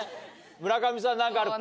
村上さん何かある？